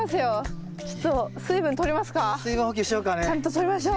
ちゃんととりましょう。